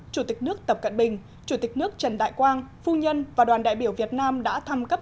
chủ tịch nước tập cận bình chủ tịch nước trần đại quang phu nhân và đoàn đại biểu việt nam đã thăm cấp